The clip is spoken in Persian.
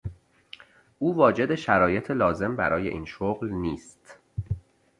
او واجد شرایط لازم برای این شغل نیست.